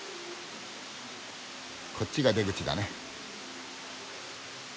こっちが出口だね。